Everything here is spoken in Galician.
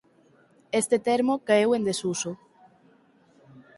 Este termo caeu en desuso.